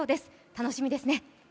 楽しみですね。